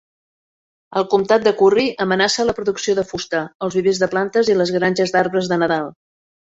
Al comtat de Curry, amenaça la producció de fusta, els vivers de plantes i les granges d'arbres de nadal.